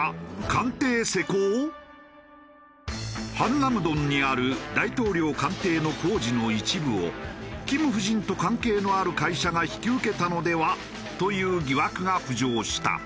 漢南洞にある大統領官邸の工事の一部を金夫人と関係のある会社が引き受けたのでは？という疑惑が浮上した。